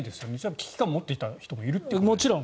危機感を持っていた人もいるということですよね。